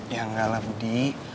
ya nggak lah budi